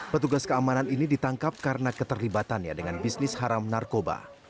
petugas keamanan ini ditangkap karena keterlibatannya dengan bisnis haram narkoba